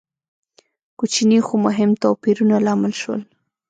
کوچني خو مهم توپیرونه لامل شول.